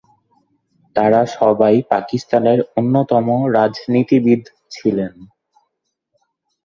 তাঁরা সবাই পাকিস্তানের অন্যতম প্রধান রাজনীতিবিদ ছিলেন।